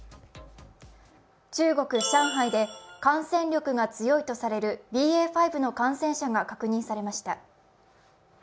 中国・上海で感染力が強いとされるＢＡ．５の感染者が確認されました。